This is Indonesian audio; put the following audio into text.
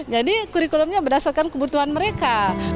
jadi kurikulumnya berdasarkan kebutuhan mereka